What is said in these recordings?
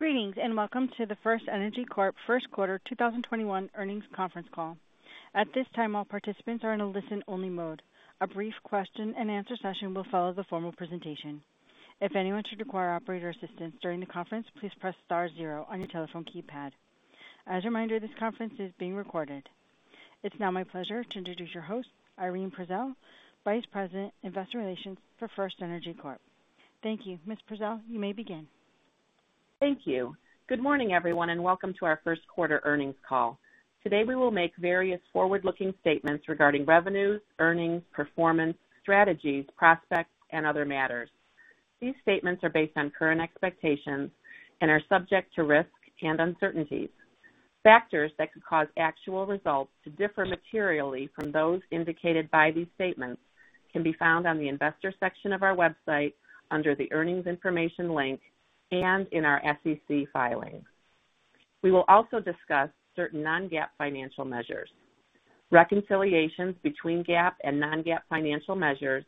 Greetings and welcome to the FirstEnergy Corp First Quarter 2021 Earnings Conference Call. At this time all participants are in only-listen mode. A brief of question-and-answer session will follow the formal presentation. If any should require operator assistance during the conference, please press star zero on your telephone keypad. As a reminder this conference is being recorded. It's now my pleasure to introduce your host, Irene Prezelj, Vice President, Investor Relations for FirstEnergy Corp. Thank you. Ms. Prezelj, you may begin. Thank you. Good morning, everyone, and welcome to our first quarter earnings call. Today, we will make various forward-looking statements regarding revenues, earnings, performance, strategies, prospects, and other matters. These statements are based on current expectations and are subject to risk and uncertainties. Factors that could cause actual results to differ materially from those indicated by these statements can be found on the investor section of our website under the Earnings Information link and in our SEC filings. We will also discuss certain non-GAAP financial measures. Reconciliations between GAAP and non-GAAP financial measures,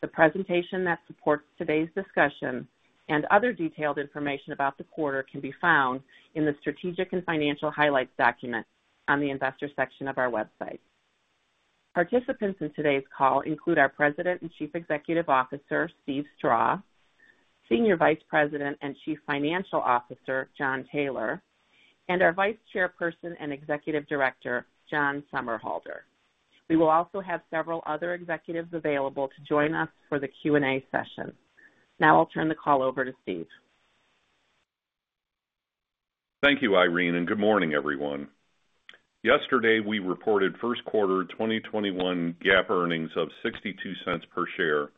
the presentation that supports today's discussion, and other detailed information about the quarter can be found in the Strategic and Financial Highlights document on the investor section of our website. Participants in today's call include our President and Chief Executive Officer, Steve Strah; Senior Vice President and Chief Financial Officer, Jon Taylor; and our Vice Chairperson and Executive Director, John Somerhalder. We will also have several other executives available to join us for the Q&A session. Now I'll turn the call over to Steve. Thank you, Irene, good morning, everyone. Yesterday, we reported first quarter 2021 GAAP earnings of $0.62 per share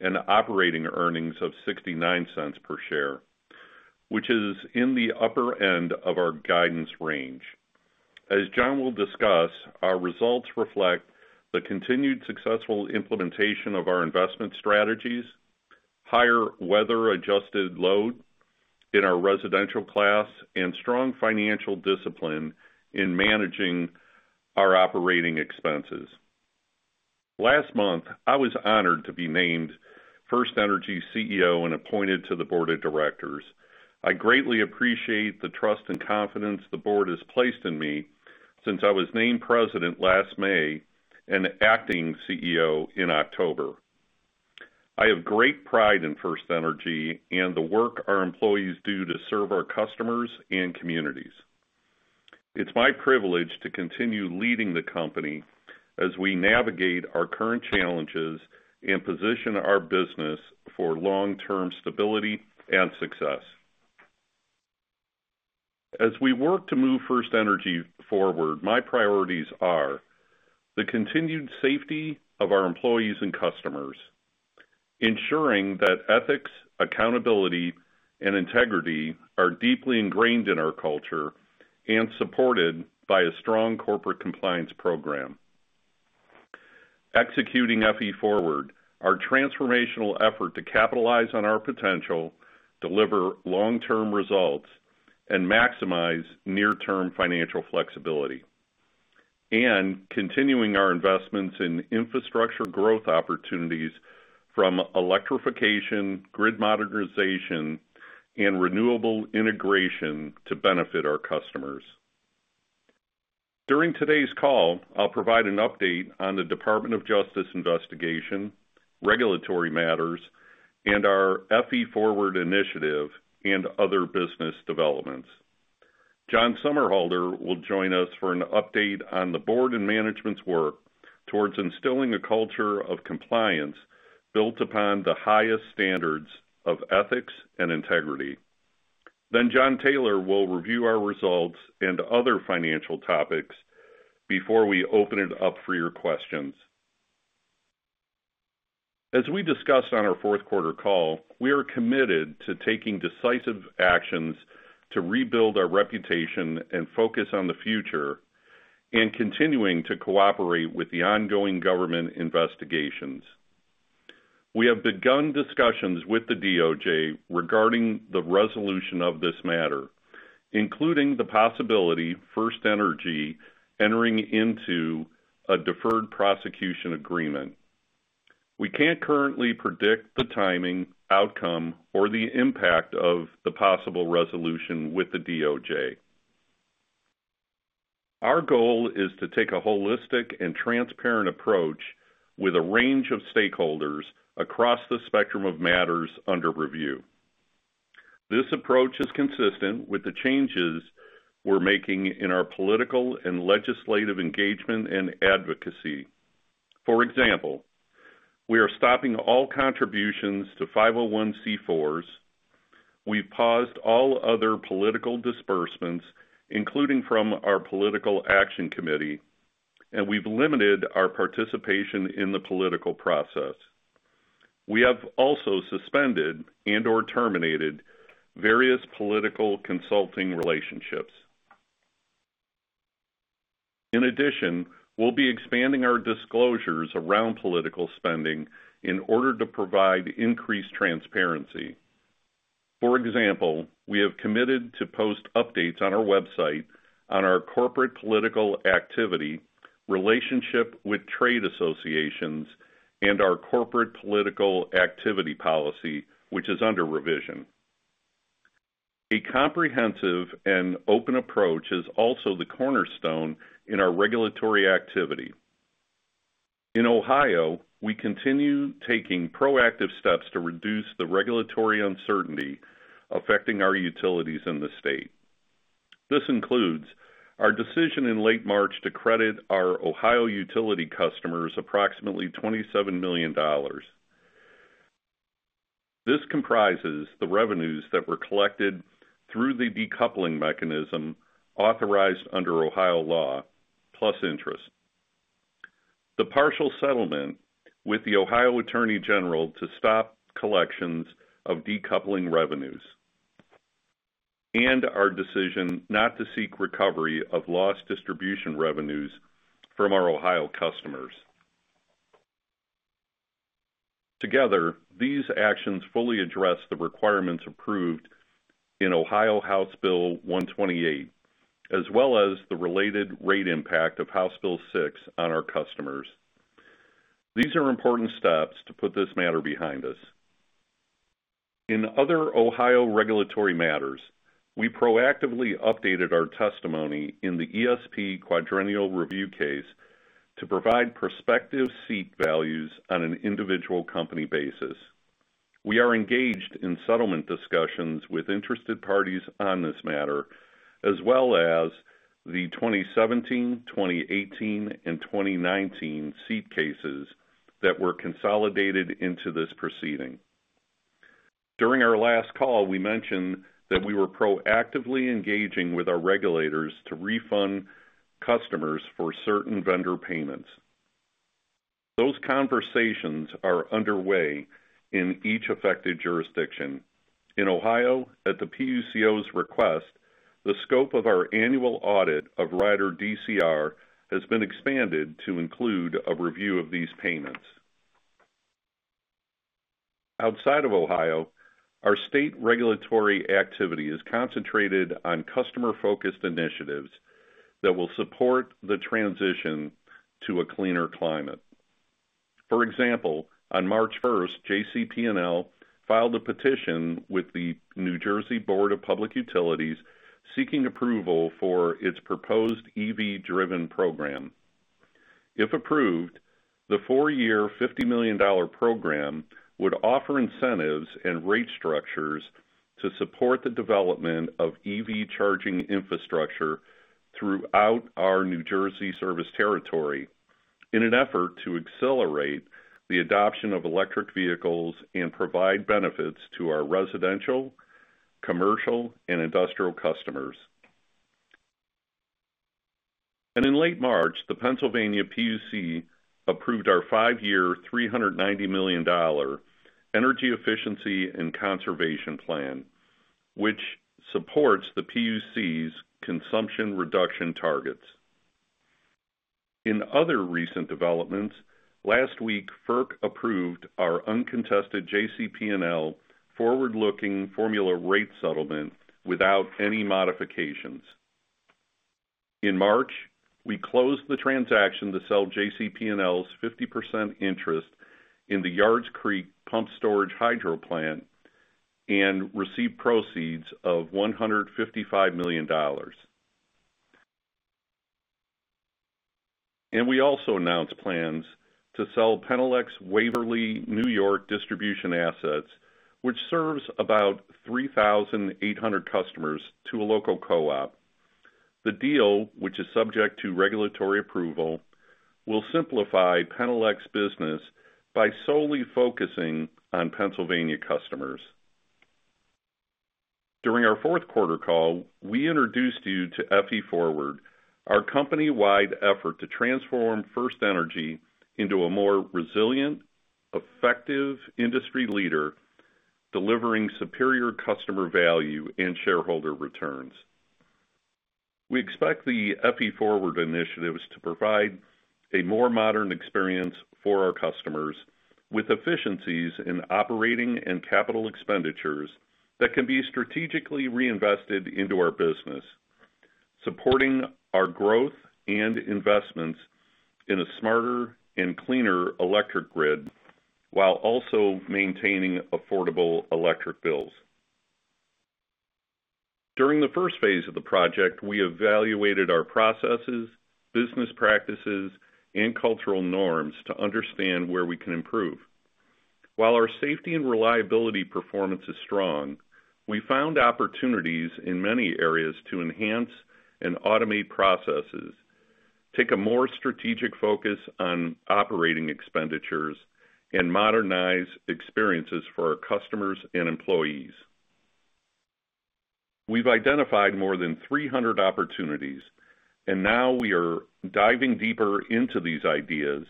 and operating earnings of $0.69 per share, which is in the upper end of our guidance range. As Jon will discuss, our results reflect the continued successful implementation of our investment strategies, higher weather-adjusted load in our residential class, and strong financial discipline in managing our operating expenses. Last month, I was honored to be named FirstEnergy's CEO and appointed to the Board of Directors. I greatly appreciate the trust and confidence the Board has placed in me since I was named President last May and Acting CEO in October. I have great pride in FirstEnergy and the work our employees do to serve our customers and communities. It's my privilege to continue leading the company as we navigate our current challenges and position our business for long-term stability and success. As we work to move FirstEnergy forward, my priorities are the continued safety of our employees and customers, ensuring that ethics, accountability, and integrity are deeply ingrained in our culture and supported by a strong corporate compliance program, executing FE Forward, our transformational effort to capitalize on our potential, deliver long-term results, and maximize near-term financial flexibility, and continuing our investments in infrastructure growth opportunities from electrification, grid modernization, and renewable integration to benefit our customers. During today's call, I'll provide an update on the Department of Justice investigation, regulatory matters, and our FE Forward initiative and other business developments. John Somerhalder will join us for an update on the board and management's work towards instilling a culture of compliance built upon the highest standards of ethics and integrity. Jon Taylor will review our results and other financial topics before we open it up for your questions. As we discussed on our fourth quarter call, we are committed to taking decisive actions to rebuild our reputation and focus on the future and continuing to cooperate with the ongoing government investigations. We have begun discussions with the DOJ regarding the resolution of this matter, including the possibility FirstEnergy entering into a deferred prosecution agreement. We can't currently predict the timing, outcome, or the impact of the possible resolution with the DOJ. Our goal is to take a holistic and transparent approach with a range of stakeholders across the spectrum of matters under review. This approach is consistent with the changes we're making in our political and legislative engagement and advocacy. For example, we are stopping all contributions to 501(c)(4)s. We've paused all other political disbursements, including from our political action committee, and we've limited our participation in the political process. We have also suspended and/or terminated various political consulting relationships. In addition, we'll be expanding our disclosures around political spending in order to provide increased transparency. For example, we have committed to post updates on our website on our corporate political activity, relationship with trade associations, and our corporate political activity policy, which is under revision. A comprehensive and open approach is also the cornerstone in our regulatory activity. In Ohio, we continue taking proactive steps to reduce the regulatory uncertainty affecting our utilities in the state. This includes our decision in late March to credit our Ohio utility customers approximately $27 million. This comprises the revenues that were collected through the decoupling mechanism authorized under Ohio law, plus interest. The partial settlement with the Ohio Attorney General to stop collections of decoupling revenues, and our decision not to seek recovery of lost distribution revenues from our Ohio customers. Together, these actions fully address the requirements approved in Ohio House Bill 128, as well as the related rate impact of House Bill 6 on our customers. These are important steps to put this matter behind us. In other Ohio regulatory matters, we proactively updated our testimony in the ESP Quadrennial Review case to provide prospective SEET values on an individual company basis. We are engaged in settlement discussions with interested parties on this matter, as well as the 2017, 2018, and 2019 SEET cases that were consolidated into this proceeding. During our last call, we mentioned that we were proactively engaging with our regulators to refund customers for certain vendor payments. Those conversations are underway in each affected jurisdiction. In Ohio, at the PUCO's request, the scope of our annual audit of Rider DCR has been expanded to include a review of these payments. Outside of Ohio, our state regulatory activity is concentrated on customer-focused initiatives that will support the transition to a cleaner climate. For example, on March 1st, JCP&L filed a petition with the New Jersey Board of Public Utilities seeking approval for its proposed EV Driven Program. If approved, the four-year, $50 million program would offer incentives and rate structures to support the development of EV charging infrastructure throughout our New Jersey service territory in an effort to accelerate the adoption of electric vehicles and provide benefits to our residential, commercial, and industrial customers. In late March, the Pennsylvania PUC approved our five-year, $390 million Energy Efficiency and Conservation Plan, which supports the PUC's consumption reduction targets. In other recent developments, last week, FERC approved our uncontested JCP&L forward-looking formula rate settlement without any modifications. In March, we closed the transaction to sell JCP&L's 50% interest in the Yards Creek pumped-storage hydro plant and received proceeds of $155 million. We also announced plans to sell Penelec's Waverly, New York, distribution assets, which serves about 3,800 customers to a local co-op. The deal, which is subject to regulatory approval, will simplify Penelec's business by solely focusing on Pennsylvania customers. During our fourth quarter call, we introduced you to FE Forward, our company-wide effort to transform FirstEnergy into a more resilient, effective industry leader, delivering superior customer value and shareholder returns. We expect the FE Forward initiatives to provide a more modern experience for our customers with efficiencies in operating and capital expenditures that can be strategically reinvested into our business, supporting our growth and investments in a smarter and cleaner electric grid, while also maintaining affordable electric bills. During the first phase of the project, we evaluated our processes, business practices, and cultural norms to understand where we can improve. While our safety and reliability performance is strong, we found opportunities in many areas to enhance and automate processes, take a more strategic focus on operating expenditures, and modernize experiences for our customers and employees. We've identified more than 300 opportunities. Now we are diving deeper into these ideas,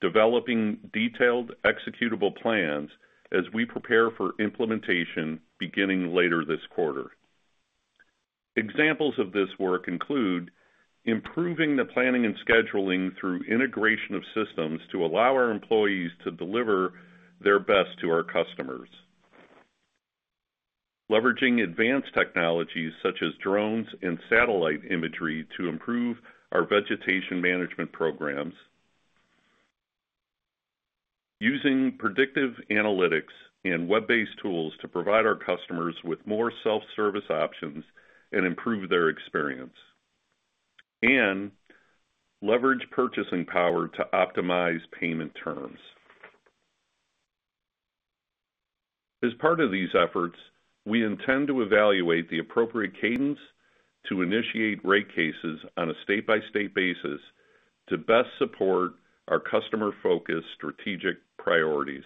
developing detailed executable plans as we prepare for implementation beginning later this quarter. Examples of this work include improving the planning and scheduling through integration of systems to allow our employees to deliver their best to our customers. Leveraging advanced technologies such as drones and satellite imagery to improve our vegetation management programs. Using predictive analytics and web-based tools to provide our customers with more self-service options and improve their experience. Leverage purchasing power to optimize payment terms. As part of these efforts, we intend to evaluate the appropriate cadence to initiate rate cases on a state-by-state basis to best support our customer-focused strategic priorities.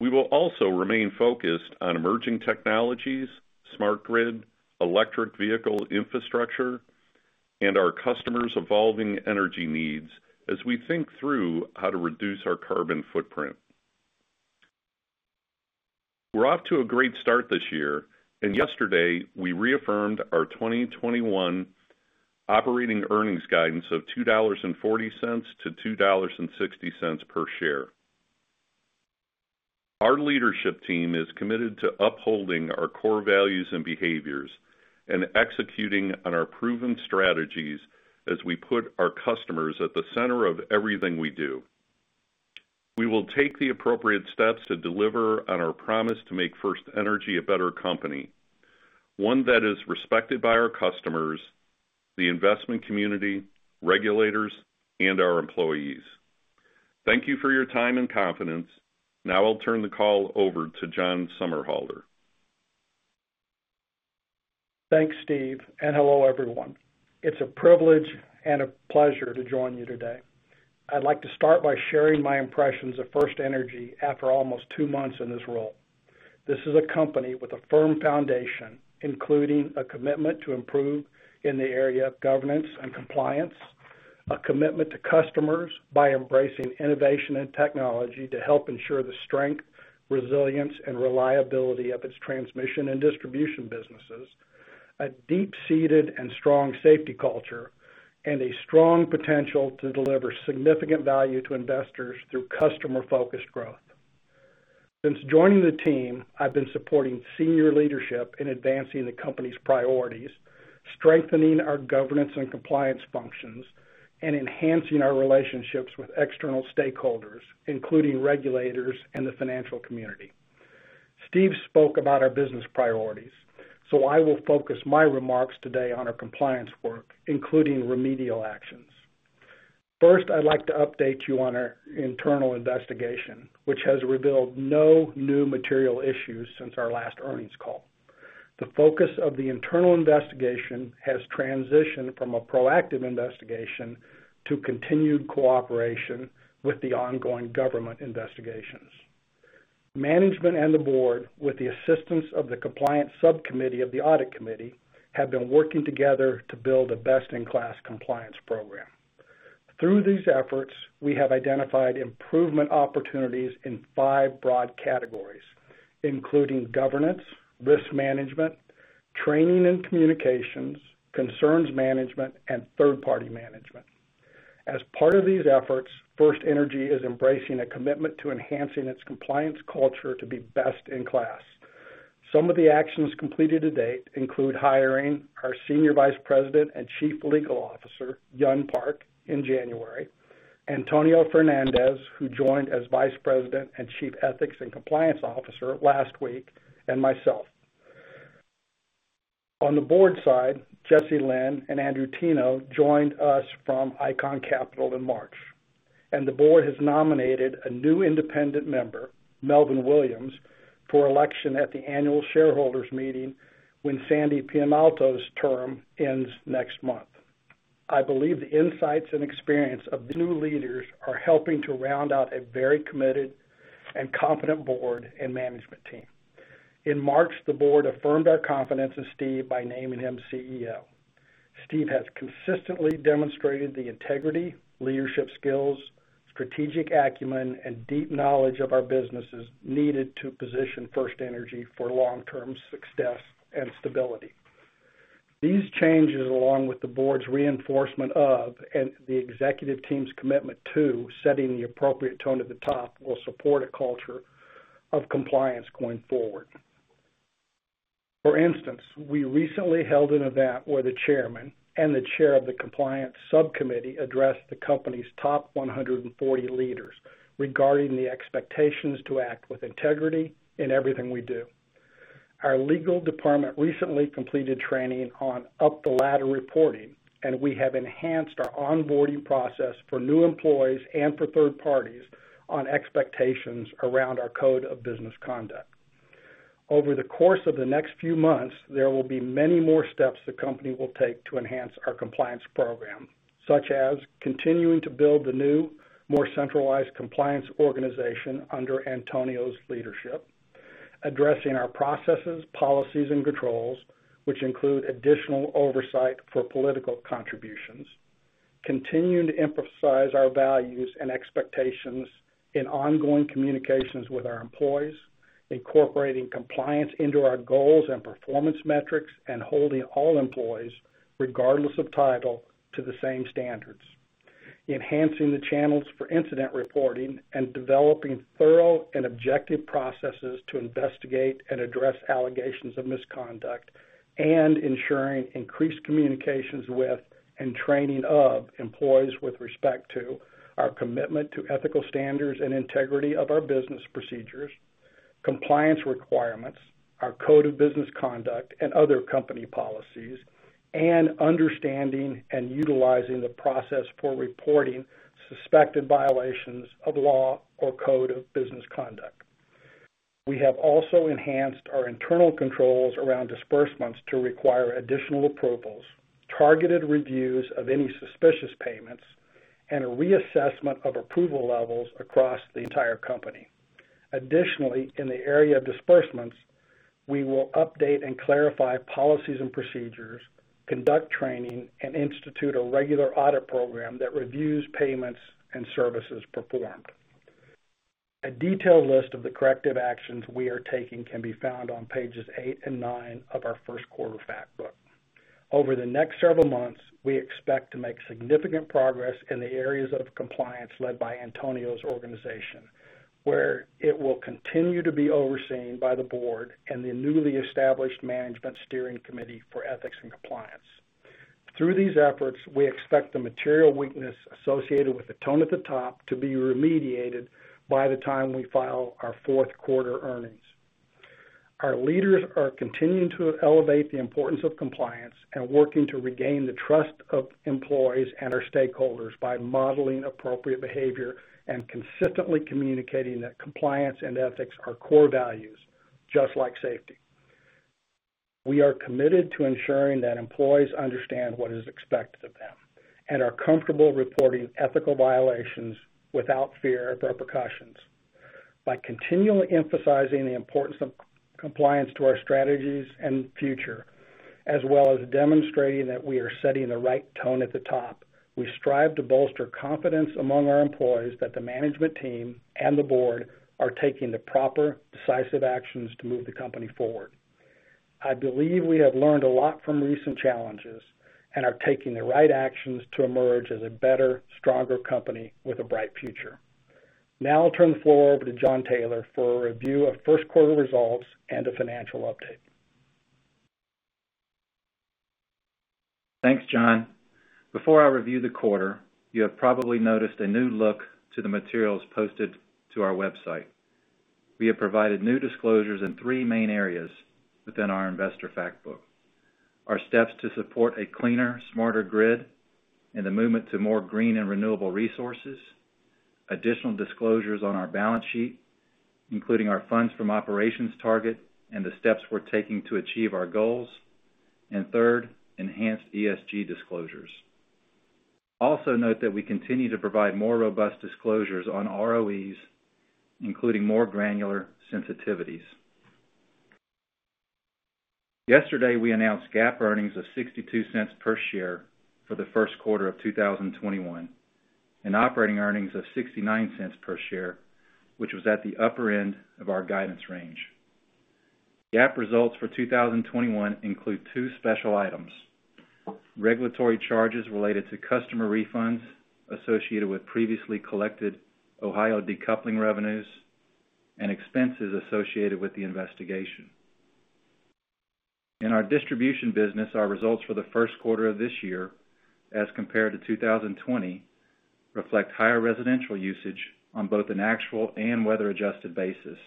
We will also remain focused on emerging technologies, smart grid, electric vehicle infrastructure, and our customers' evolving energy needs as we think through how to reduce our carbon footprint. We're off to a great start this year. Yesterday we reaffirmed our 2021 operating earnings guidance of $2.40-$2.60 per share. Our leadership team is committed to upholding our core values and behaviors and executing on our proven strategies as we put our customers at the center of everything we do. We will take the appropriate steps to deliver on our promise to make FirstEnergy a better company, one that is respected by our customers, the investment community, regulators, and our employees. Thank you for your time and confidence. Now I'll turn the call over to John Somerhalder. Thanks, Steve. Hello everyone. It's a privilege and a pleasure to join you today. I'd like to start by sharing my impressions of FirstEnergy after almost two months in this role. This is a company with a firm foundation, including a commitment to improve in the area of governance and compliance, a commitment to customers by embracing innovation and technology to help ensure the strength, resilience, and reliability of its transmission and distribution businesses, a deep-seated and strong safety culture, and a strong potential to deliver significant value to investors through customer-focused growth. Since joining the team, I've been supporting senior leadership in advancing the company's priorities, strengthening our governance and compliance functions, and enhancing our relationships with external stakeholders, including regulators and the financial community. Steve spoke about our business priorities. I will focus my remarks today on our compliance work, including remedial actions. First, I'd like to update you on our internal investigation, which has revealed no new material issues since our last earnings call. The focus of the internal investigation has transitioned from a proactive investigation to continued cooperation with the ongoing government investigations. Management and the board, with the assistance of the compliance subcommittee of the Audit Committee, have been working together to build a best-in-class compliance program. Through these efforts, we have identified improvement opportunities in five broad categories, including governance, risk management, training and communications, concerns management, and third-party management. As part of these efforts, FirstEnergy is embracing a commitment to enhancing its compliance culture to be best in class. Some of the actions completed to date include hiring our Senior Vice President and Chief Legal Officer, Hyun Park, in January, Antonio Fernández, who joined as Vice President and Chief Ethics and Compliance Officer last week, and myself. On the board side, Jesse Lynn and Andrew Teno joined us from Icahn Capital in March, and the board has nominated a new independent member, Melvin Williams, for election at the Annual Shareholders' Meeting when Sandra Pianalto's term ends next month. I believe the insights and experience of these new leaders are helping to round out a very committed and competent board and management team. In March, the board affirmed our confidence in Steve by naming him CEO. Steve has consistently demonstrated the integrity, leadership skills, strategic acumen, and deep knowledge of our businesses needed to position FirstEnergy for long-term success and stability. These changes, along with the board's reinforcement of and the executive team's commitment to setting the appropriate tone at the top, will support a culture of compliance going forward. For instance, we recently held an event where the Chairman and the Chair of the Compliance Subcommittee addressed the company's top 140 leaders regarding the expectations to act with integrity in everything we do. Our legal department recently completed training on up-the-ladder reporting, and we have enhanced our onboarding process for new employees and for third parties on expectations around our code of business conduct. Over the course of the next few months, there will be many more steps the company will take to enhance our compliance program, such as continuing to build the new, more centralized compliance organization under Antonio's leadership, addressing our processes, policies, and controls, which include additional oversight for political contributions, continuing to emphasize our values and expectations in ongoing communications with our employees, incorporating compliance into our goals and performance metrics, and holding all employees, regardless of title, to the same standards. Enhancing the channels for incident reporting and developing thorough and objective processes to investigate and address allegations of misconduct, and ensuring increased communications with and training of employees with respect to our commitment to ethical standards and integrity of our business procedures, compliance requirements, our code of business conduct, and other company policies, and understanding and utilizing the process for reporting suspected violations of law or code of business conduct. We have also enhanced our internal controls around disbursements to require additional approvals, targeted reviews of any suspicious payments, and a reassessment of approval levels across the entire company. Additionally, in the area of disbursements, we will update and clarify policies and procedures, conduct training, and institute a regular audit program that reviews payments and services performed. A detailed list of the corrective actions we are taking can be found on pages eight and nine of our first-quarter fact book. Over the next several months, we expect to make significant progress in the areas of compliance led by Antonio's organization, where it will continue to be overseen by the board and the newly established Management Steering Committee for Ethics and Compliance. Through these efforts, we expect the material weakness associated with the tone at the top to be remediated by the time we file our fourth quarter earnings. Our leaders are continuing to elevate the importance of compliance and working to regain the trust of employees and our stakeholders by modeling appropriate behavior and consistently communicating that compliance and ethics are core values, just like safety. We are committed to ensuring that employees understand what is expected of them and are comfortable reporting ethical violations without fear of repercussions. By continually emphasizing the importance of compliance to our strategies and future, as well as demonstrating that we are setting the right tone at the top, we strive to bolster confidence among our employees that the management team and the board are taking the proper, decisive actions to move the company forward. I believe we have learned a lot from recent challenges and are taking the right actions to emerge as a better, stronger company with a bright future. Now I'll turn the floor over to Jon Taylor for a review of first quarter results and a financial update. Thanks, John. Before I review the quarter, you have probably noticed a new look to the materials posted to our website. We have provided new disclosures in three main areas within our investor fact book. Our steps to support a cleaner, smarter grid and the movement to more green and renewable resources, additional disclosures on our balance sheet, including our funds from operations target and the steps we're taking to achieve our goals, and third, enhanced ESG disclosures. Also note that we continue to provide more robust disclosures on ROEs, including more granular sensitivities. Yesterday, we announced GAAP earnings of $0.62 per share for the first quarter of 2021 and operating earnings of $0.69 per share, which was at the upper end of our guidance range. GAAP results for 2021 include two special items, regulatory charges related to customer refunds associated with previously collected Ohio decoupling revenues and expenses associated with the investigation. In our distribution business, our results for the first quarter of this year, as compared to 2020, reflect higher residential usage on both an actual and weather-adjusted basis,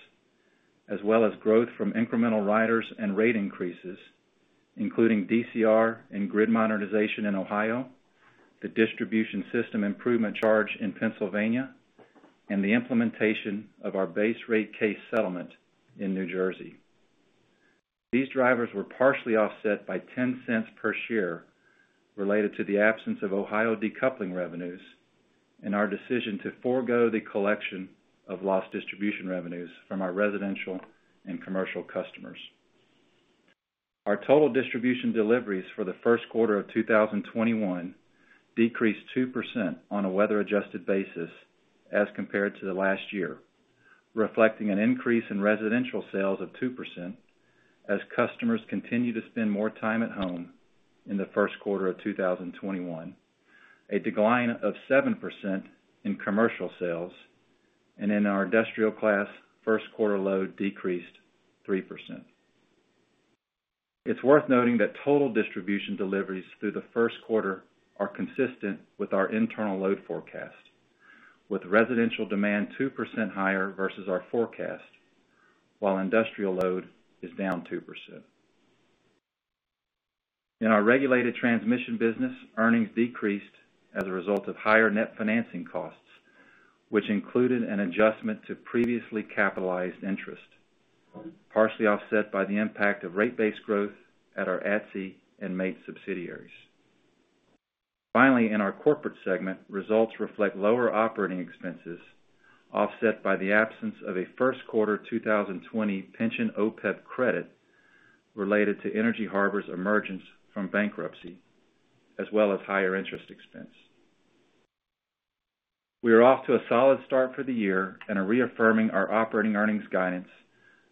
as well as growth from incremental riders and rate increases, including DCR and grid modernization in Ohio, the distribution system improvement charge in Pennsylvania, and the implementation of our base rate case settlement in New Jersey. These drivers were partially offset by $0.10 per share related to the absence of Ohio decoupling revenues and our decision to forego the collection of lost distribution revenues from our residential and commercial customers. Our total distribution deliveries for the first quarter of 2021 decreased 2% on a weather-adjusted basis as compared to last year, reflecting an increase in residential sales of 2% as customers continued to spend more time at home in the first quarter of 2021, a decline of 7% in commercial sales, and in our industrial class, first-quarter load decreased 3%. It's worth noting that total distribution deliveries through the first quarter are consistent with our internal load forecast, with residential demand 2% higher versus our forecast, while industrial load is down 2%. In our regulated transmission business, earnings decreased as a result of higher net financing costs, which included an adjustment to previously capitalized interest, partially offset by the impact of rate-based growth at our ATSI and MAIT subsidiaries. In our corporate segment, results reflect lower operating expenses offset by the absence of a first quarter 2020 pension OPEB credit related to Energy Harbor's emergence from bankruptcy, as well as higher interest expense. We are off to a solid start for the year and are reaffirming our operating earnings guidance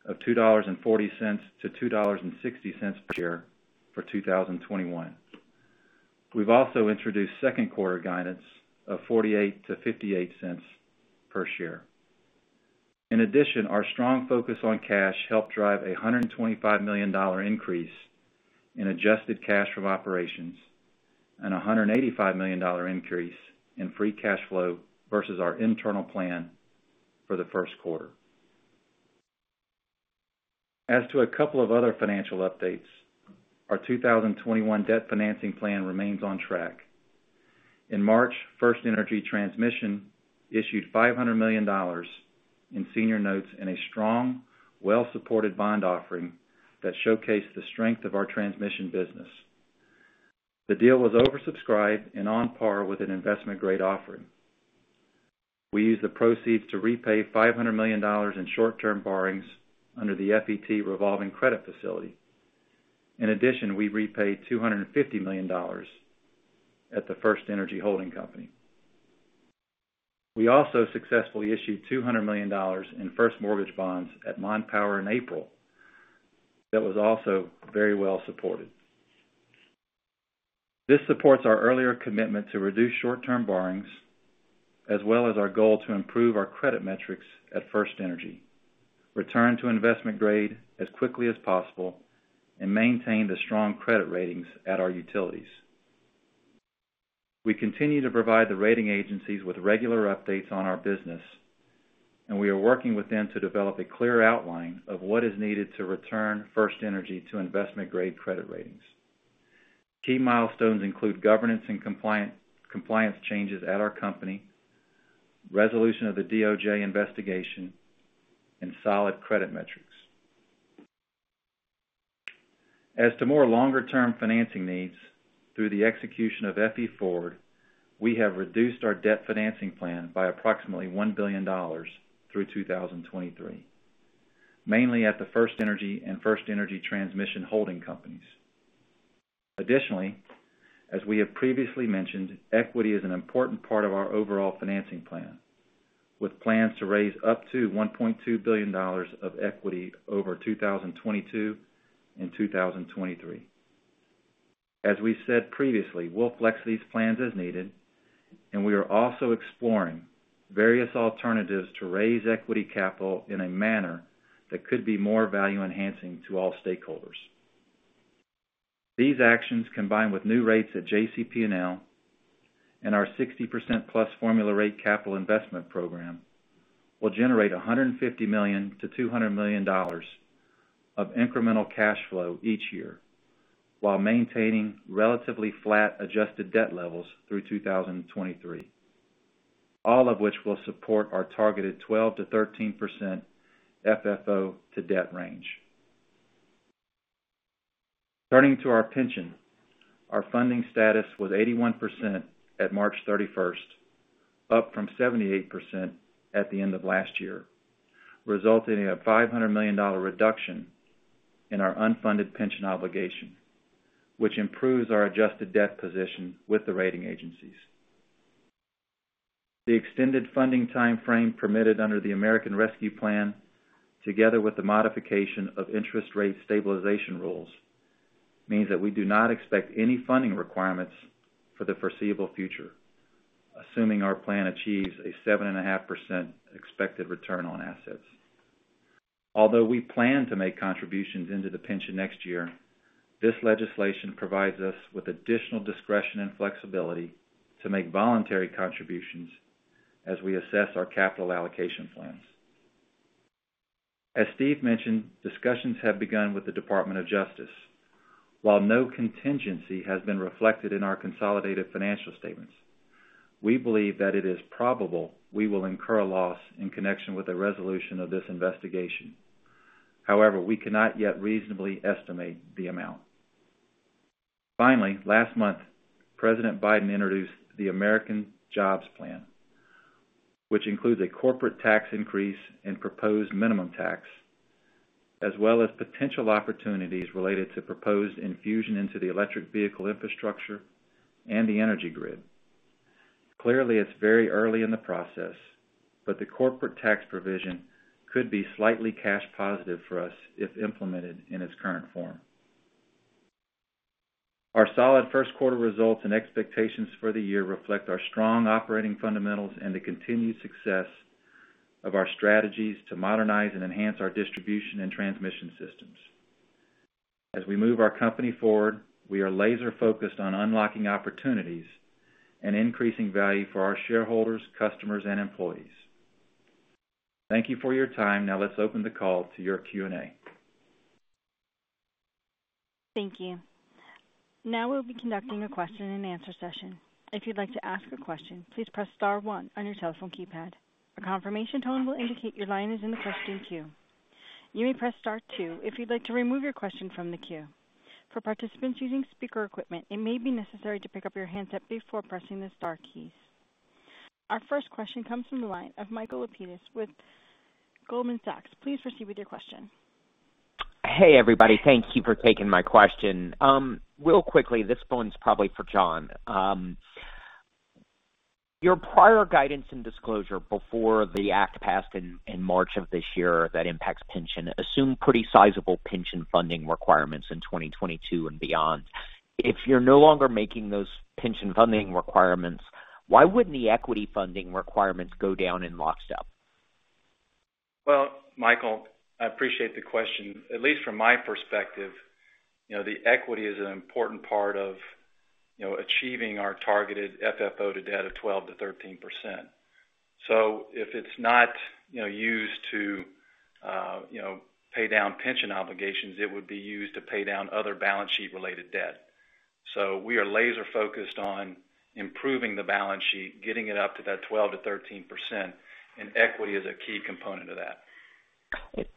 of $2.40-$2.60 per share for 2021. We've also introduced second-quarter guidance of $0.48-$0.58 per share. In addition, our strong focus on cash helped drive a $125 million increase in adjusted cash from operations, and a $185 million increase in free cash flow versus our internal plan for the first quarter. A couple of other financial updates, our 2021 debt financing plan remains on track. In March, FirstEnergy Transmission issued $500 million in senior notes in a strong, well-supported bond offering that showcased the strength of our transmission business. The deal was oversubscribed and on par with an investment-grade offering. We used the proceeds to repay $500 million in short-term borrowings under the FET revolving credit facility. In addition, we repaid $250 million at the FirstEnergy holding company. We also successfully issued $200 million in first mortgage bonds at Mon Power in April. That was also very well supported. This supports our earlier commitment to reduce short-term borrowings, as well as our goal to improve our credit metrics at FirstEnergy, return to investment grade as quickly as possible, and maintain the strong credit ratings at our utilities. We continue to provide the rating agencies with regular updates on our business. We are working with them to develop a clear outline of what is needed to return FirstEnergy to investment-grade credit ratings. Key milestones include governance and compliance changes at our company, resolution of the DOJ investigation, and solid credit metrics. As to more longer-term financing needs, through the execution of FE Forward, we have reduced our debt financing plan by approximately $1 billion through 2023, mainly at the FirstEnergy and FirstEnergy Transmission holding companies. Additionally, as we have previously mentioned, equity is an important part of our overall financing plan, with plans to raise up to $1.2 billion of equity over 2022 and 2023. As we said previously, we'll flex these plans as needed, and we are also exploring various alternatives to raise equity capital in a manner that could be more value-enhancing to all stakeholders. These actions, combined with new rates at JCP&L and our 60%+ formula rate capital investment program, will generate $150 million-$200 million of incremental cash flow each year, while maintaining relatively flat adjusted debt levels through 2023, all of which will support our targeted 12%-13% FFO to debt range. Turning to our pension, our funding status was 81% at March 31st, up from 78% at the end of last year, resulting in a $500 million reduction in our unfunded pension obligation, which improves our adjusted debt position with the rating agencies. The extended funding timeframe permitted under the American Rescue Plan, together with the modification of interest rate stabilization rules, means that we do not expect any funding requirements for the foreseeable future, assuming our plan achieves a 7.5% expected return on assets. Although we plan to make contributions into the pension next year, this legislation provides us with additional discretion and flexibility to make voluntary contributions as we assess our capital allocation plans. As Steve mentioned, discussions have begun with the Department of Justice. While no contingency has been reflected in our consolidated financial statements, we believe that it is probable we will incur a loss in connection with the resolution of this investigation. However, we cannot yet reasonably estimate the amount. Finally, last month, President Biden introduced the American Jobs Plan, which includes a corporate tax increase and proposed minimum tax, as well as potential opportunities related to proposed infusion into the electric vehicle infrastructure and the energy grid. Clearly, it's very early in the process, but the corporate tax provision could be slightly cash-positive for us if implemented in its current form. Our solid first-quarter results and expectations for the year reflect our strong operating fundamentals and the continued success of our strategies to modernize and enhance our distribution and transmission systems. As we move our company forward, we are laser-focused on unlocking opportunities and increasing value for our shareholders, customers, and employees. Thank you for your time. Now let's open the call to your Q&A. We'll be conducting a question-and-answer session. If you'd like to ask a question, please press star one on your telephone keypad. A confirmation tone will indicate your line is in the question queue. You may press star two if you'd like to remove your question from the queue. For participants using speaker equipment, it may be necessary to pick up your handset before pressing the star keys. Our first question comes from the line of Michael Lapides with Goldman Sachs. Please proceed with your question. Hey, everybody. Thank you for taking my question. Real quickly, this one's probably for Jon. Your prior guidance and disclosure before the act passed in March of this year that impacts pension, assumed pretty sizable pension funding requirements in 2022 and beyond. If you're no longer making those pension funding requirements, why wouldn't the equity funding requirements go down in lockstep? Well, Michael, I appreciate the question. At least from my perspective, the equity is an important part of achieving our targeted FFO to debt of 12%-13%. If it's not used to pay down pension obligations, it would be used to pay down other balance sheet-related debt. We are laser-focused on improving the balance sheet, getting it up to that 12%-13%, and equity is a key component of that.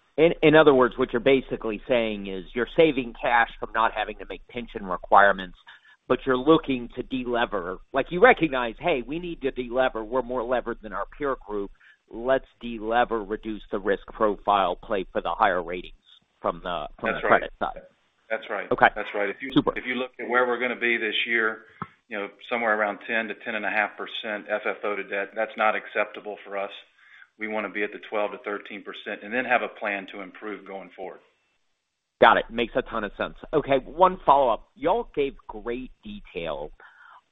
In other words, what you're basically saying is you're saving cash from not having to make pension requirements, but you're looking to de-lever. Like you recognize, hey, we need to de-lever. We're more levered than our peer group. Let's de-lever, reduce the risk profile, play for the higher ratings from the credit side. That's right. Okay. Super. If you look at where we're going to be this year, somewhere around 10% to 10.5% FFO to debt, that's not acceptable for us. We want to be at the 12%-13%, have a plan to improve going forward. Got it. Makes a ton of sense. Okay, one follow-up. You all gave great detail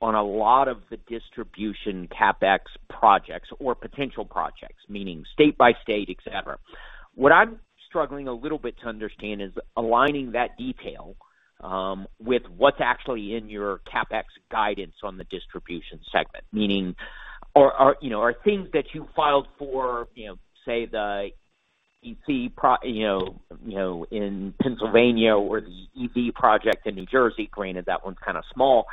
on a lot of the distribution CapEx projects or potential projects, meaning state by state, et cetera. What I'm struggling a little bit to understand is aligning that detail with what's actually in your CapEx guidance on the distribution segment. Meaning, are things that you filed for in Pennsylvania or the EV project in New Jersey, granted that one's kind of small,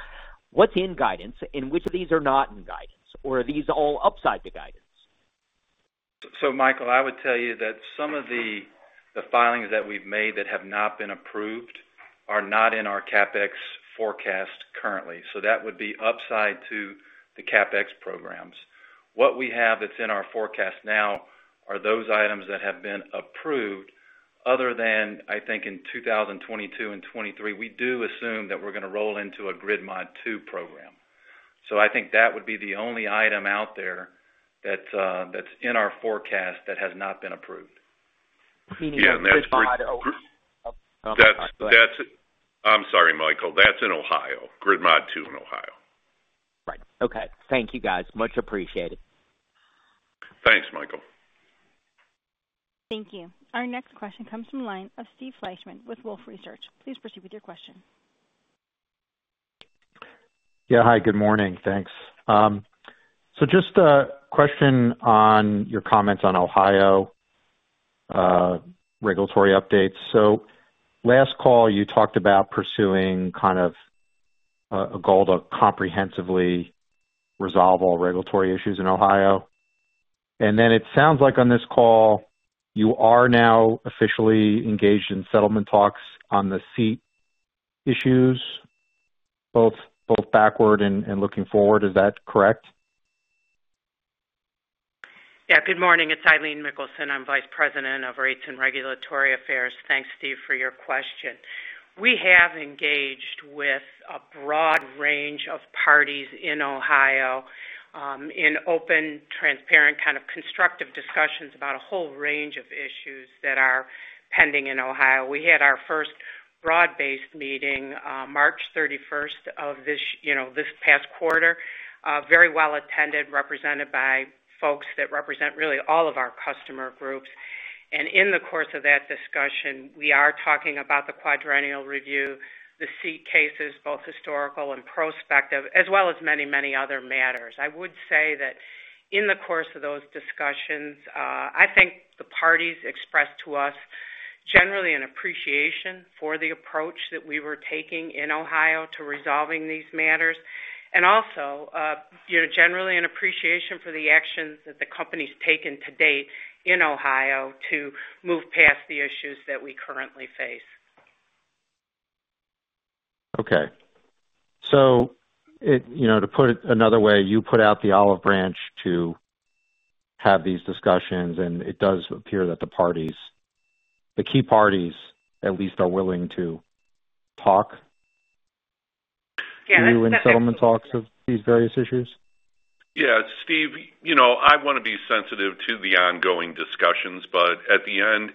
what's in guidance and which of these are not in guidance? Are these all upside to guidance? Michael, I would tell you that some of the filings that we've made that have not been approved are not in our CapEx forecast currently. That would be upside to the CapEx programs. What we have that's in our forecast now are those items that have been approved other than, I think in 2022 and 2023, we do assume that we're going to roll into a Grid Mod II program. I think that would be the only item out there that's in our forecast that has not been approved. Meaning the Ohio. Yeah. Oh, go ahead. I'm sorry, Michael. That's in Ohio. Grid Mod II in Ohio. Right. Okay. Thank you guys. Much appreciated. Thanks, Michael. Thank you. Our next question comes from the line of Steve Fleishman with Wolfe Research. Please proceed with your question. Yeah. Hi, good morning. Thanks. Just a question on your comments on Ohio regulatory updates. Last call, you talked about pursuing kind of a goal to comprehensively resolve all regulatory issues in Ohio. It sounds like on this call, you are now officially engaged in settlement talks on the SEET issues, both backward and looking forward. Is that correct? Yeah. Good morning. It's Eileen Mikkelsen. I'm Vice President of Rates and Regulatory Affairs. Thanks, Steve, for your question. We have engaged with a broad range of parties in Ohio, in open, transparent, kind of constructive discussions about a whole range of issues that are pending in Ohio. We had our first broad-based meeting on March 31st of this past quarter. Very well attended, represented by folks that represent really all of our customer groups. In the course of that discussion, we are talking about the Quadrennial Review, the SEET cases, both historical and prospective, as well as many other matters. I would say that in the course of those discussions, I think the parties expressed to us generally an appreciation for the approach that we were taking in Ohio to resolving these matters. Generally an appreciation for the actions that the company's taken to date in Ohio to move past the issues that we currently face. Okay. To put it another way, you put out the olive branch to have these discussions, and it does appear that the key parties, at least are willing to talk to you in settlement talks of these various issues? Yeah, Steve, I want to be sensitive to the ongoing discussions. At the end,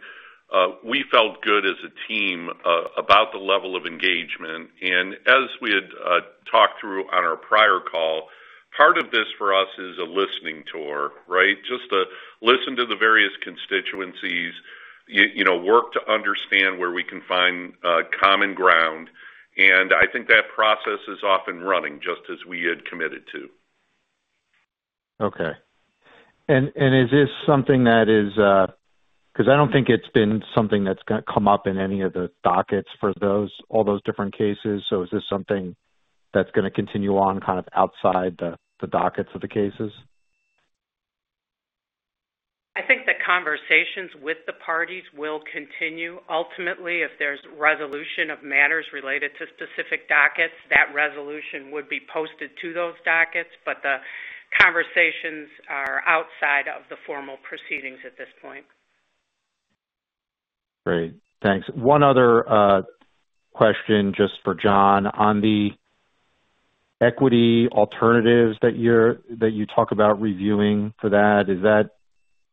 we felt good as a team about the level of engagement. As we had talked through on our prior call, part of this for us is a listening tour, right. Just to listen to the various constituencies, work to understand where we can find common ground. I think that process is off and running just as we had committed to. Okay. Because I don't think it's been something that's going to come up in any of the dockets for all those different cases. Is this something that's going to continue on kind of outside the dockets of the cases? I think the conversations with the parties will continue. Ultimately, if there's resolution of matters related to specific dockets, that resolution would be posted to those dockets. The conversations are outside of the formal proceedings at this point. Great, thanks. One other question just for Jon. On the equity alternatives that you talk about reviewing for that,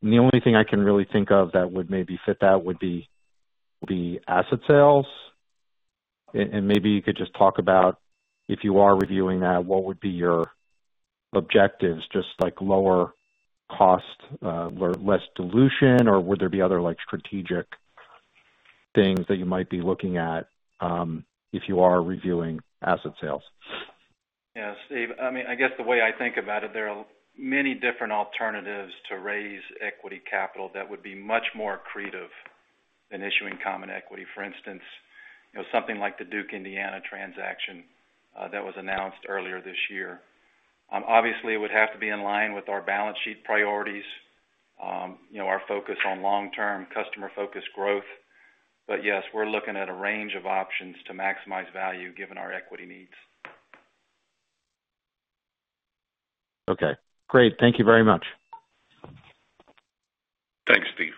the only thing I can really think of that would maybe fit that would be asset sales. Maybe you could just talk about, if you are reviewing that, what would be your objectives? Just like lower cost, less dilution, or would there be other strategic things that you might be looking at if you are reviewing asset sales? Yes, Steve. I guess the way I think about it, there are many different alternatives to raise equity capital that would be much more accretive than issuing common equity. For instance, something like the Duke Indiana transaction that was announced earlier this year. Obviously, it would have to be in line with our balance sheet priorities, our focus on long-term customer-focused growth. Yes, we're looking at a range of options to maximize value given our equity needs. Okay, great. Thank you very much. Thanks, Steve.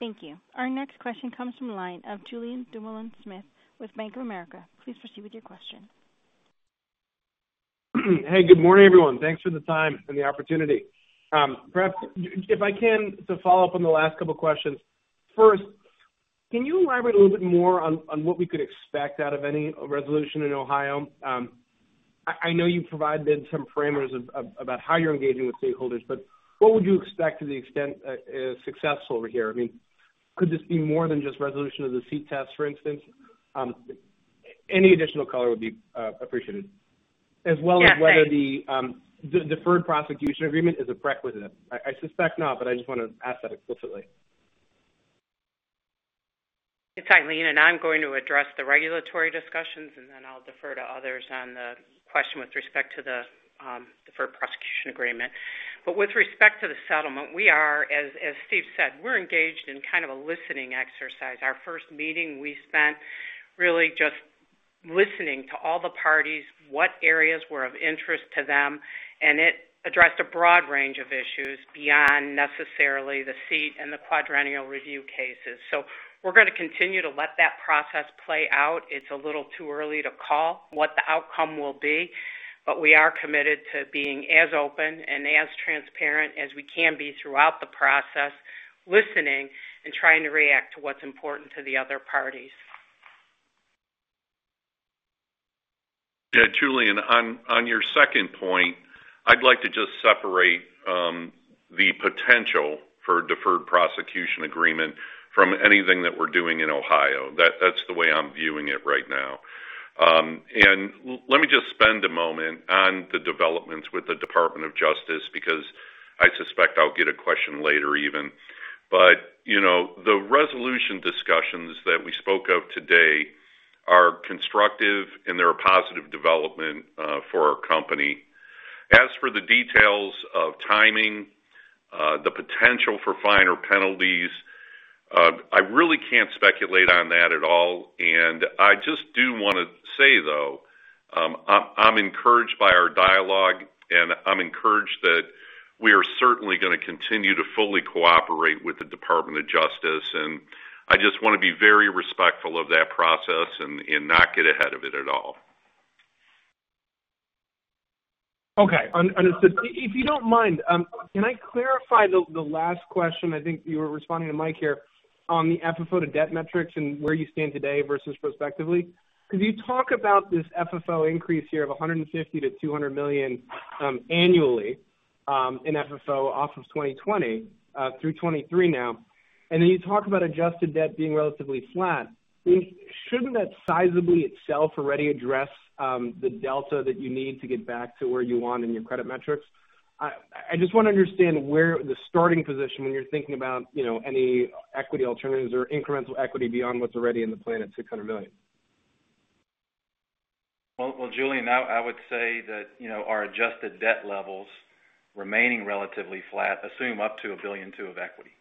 Thank you. Our next question comes from the line of Julien Dumoulin-Smith with Bank of America. Please proceed with your question. Hey, good morning, everyone. Thanks for the time and the opportunity. Perhaps, if I can, to follow up on the last couple questions. First, can you elaborate a little bit more on what we could expect out of any resolution in Ohio? I know you've provided some parameters about how you're engaging with stakeholders, but what would you expect to the extent of success over here? Could this be more than just resolution of the SEET test, for instance? Any additional color would be appreciated. Yeah. Thanks. As well as whether the deferred prosecution agreement is a prerequisite. I suspect not, but I just want to ask that explicitly. It's Eileen, I'm going to address the regulatory discussions, and then I'll defer to others on the question with respect to the deferred prosecution agreement. With respect to the settlement, we are, as Steve said, we're engaged in kind of a listening exercise. Our first meeting, we spent really just listening to all the parties, what areas were of interest to them, and it addressed a broad range of issues beyond necessarily the SEET and the quadrennial review cases. We're going to continue to let that process play out. It's a little too early to call what the outcome will be. We are committed to being as open and as transparent as we can be throughout the process, listening and trying to react to what's important to the other parties. Julien, on your second point, I'd like to just separate the potential for a deferred prosecution agreement from anything that we're doing in Ohio. That's the way I'm viewing it right now. Let me just spend a moment on the developments with the Department of Justice, because I suspect I'll get a question later even. The resolution discussions that we spoke of today are constructive, and they're a positive development for our company. As for the details of timing, the potential for finer penalties, I really can't speculate on that at all. I just do want to say, though, I'm encouraged by our dialogue, and I'm encouraged that we are certainly going to continue to fully cooperate with the Department of Justice, and I just want to be very respectful of that process and not get ahead of it at all. Okay. If you don't mind, can I clarify the last question? I think you were responding to Mike here on the FFO to debt metrics and where you stand today versus prospectively. Because you talk about this FFO increase here of $150 million-$200 million annually in FFO off of 2020 through 2023 now, and then you talk about adjusted debt being relatively flat. Shouldn't that sizably itself already address the delta that you need to get back to where you want in your credit metrics? I just want to understand where the starting position when you're thinking about any equity alternatives or incremental equity beyond what's already in the plan at $600 million. Well, Julien, I would say that our adjusted debt levels remaining relatively flat assume up to $1.2 billion of equity.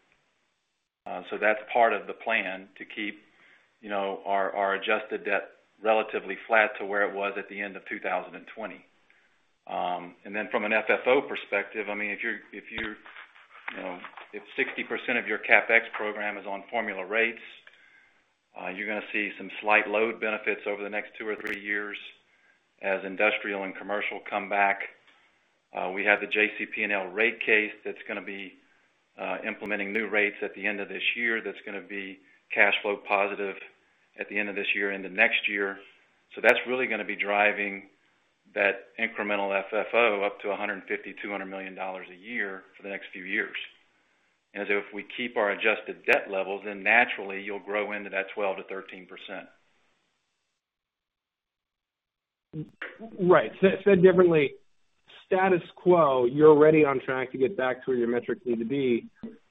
That's part of the plan to keep our adjusted debt relatively flat to where it was at the end of 2020. From an FFO perspective, if 60% of your CapEx program is on formula rates, you're going to see some slight load benefits over the next two or three years as industrial and commercial come back. We have the JCP&L rate case that's going to be implementing new rates at the end of this year, that's going to be cash flow positive at the end of this year into next year. That's really going to be driving that incremental FFO up to $150 million-$200 million a year for the next few years. If we keep our adjusted debt levels, then naturally you'll grow into that 12%-13%. Right. Said differently, status quo, you're already on track to get back to where your metrics need to be,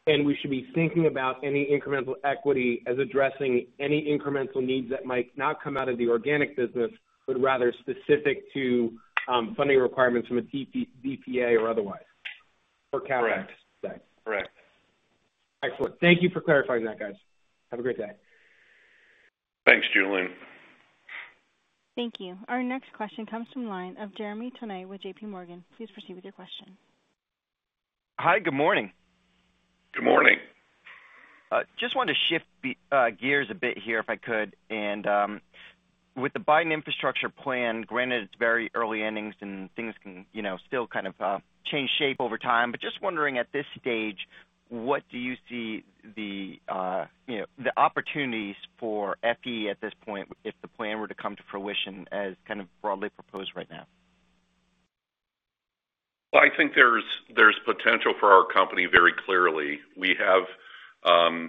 and we should be thinking about any incremental equity as addressing any incremental needs that might not come out of the organic business, but rather specific to funding requirements from a DPA or otherwise for CapEx. Correct. Excellent. Thank you for clarifying that, guys. Have a great day. Thanks, Julien. Thank you. Our next question comes from the line of Jeremy Tonet with JPMorgan. Please proceed with your question. Hi, good morning. Good morning. Just wanted to shift gears a bit here if I could. With the Biden infrastructure plan, granted it's very early innings and things can still kind of change shape over time, but just wondering at this stage, what do you see the opportunities for FE at this point, if the plan were to come to fruition as kind of broadly proposed right now? Well, I think there's potential for our company very clearly. Being a